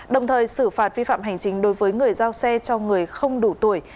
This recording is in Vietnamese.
đồng thời xử phạt vi phạm hành chính đối với người giao xe cho người không đủ tuổi